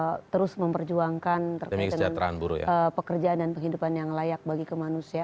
dan juga ini akan terus kami perjuangkan dan juga pekerjaan indonesia akan terus memperjuangkan tentang pekerjaan dan kehidupan yang layak bagi kemanusiaan